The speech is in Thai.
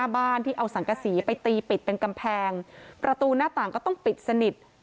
บ้านที่เอาสังกษีไปตีปิดเป็นกำแพงประตูหน้าต่างก็ต้องปิดสนิท